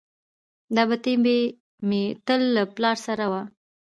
دا بتۍ به مې تل له پلار سره وه.